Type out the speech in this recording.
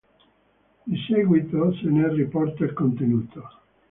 Di seguito se ne riporta il contenuto.